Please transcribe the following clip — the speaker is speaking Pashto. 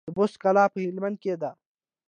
د بست کلا په هلمند کې ده